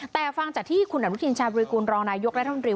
แต่ฟังจากที่คุณอนุทินชาบริกูลรองนายกรัฐมนตรี